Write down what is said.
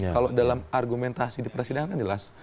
kalau dalam argumentasi di persidangan kan jelas